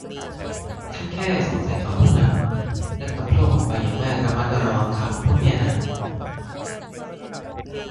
ท่านแค่สงสัยเขาผู้นั้น แล้วกลับโพล่งออกไปอย่างไม่ระมัดระวังคำพูดเนี่ยนะ